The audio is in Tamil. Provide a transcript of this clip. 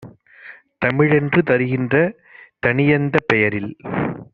தமிழென்று தருகின்ற தனியந்தப் பெயரில்